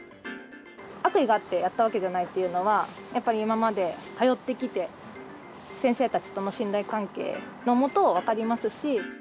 悪意があってやったわけじゃないっていうのは、やっぱり、今まで通ってきて先生たちとの信頼関係のもと、分かりますし。